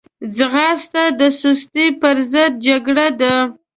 ځغاسته د سستي پر ضد جګړه ده